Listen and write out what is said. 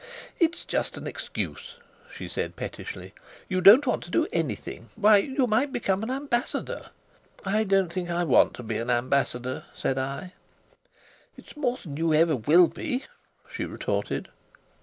"It's just an excuse," she said pettishly. "You don't want to do anything. Why, you might become an ambassador!" "I don't think I want to be an ambassador," said I. "It's more than you ever will be," she retorted.